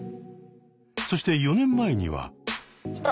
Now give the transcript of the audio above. そして４年前には。